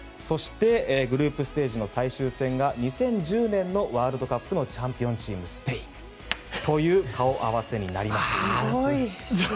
そして、グループステージの最終戦が２０１０年のワールドカップのチャンピオンチームのスペインという顔合わせになりました。